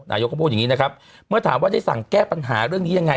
นายกก็พูดอย่างนี้นะครับเมื่อถามว่าได้สั่งแก้ปัญหาเรื่องนี้ยังไง